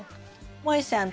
もえさん